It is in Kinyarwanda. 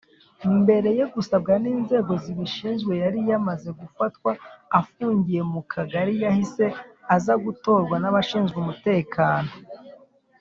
mbere yo gusabwa n’inzego zibishinzwe yari yamaze gufatwa afungiye mu kagari yahise aza gutorwa n’abashinzwe umutekano.